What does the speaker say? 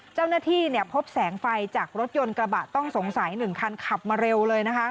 เจ้าหน้าที่พบแสงไฟจากรถยนต์กระบะต้องสงสัย๑คันขับมาเร็วเลยนะคะ